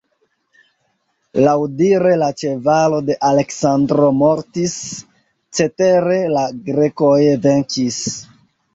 Laŭdire la ĉevalo de Aleksandro mortis, cetere la grekoj venkis.